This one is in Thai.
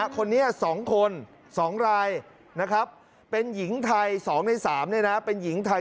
คนนี้๒คน๒รายนะครับเป็นหญิงไทย๒ใน๓เป็นหญิงไทย